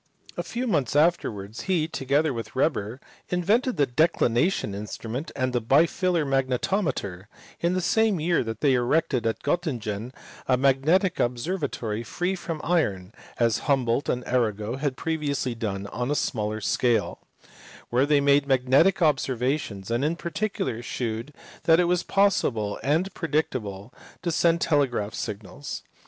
A few months afterwards he, together with Weber, invented the declination instrument and the bitilar magnetometer; and in the same year they erected at Gottingen a magnetic observa tory free from iron (as Humboldt and Arago had previously done on a smaller scale) where they made magnetic observa tions, and in particular shewed that it was possible and practicable to send telegraphic signals.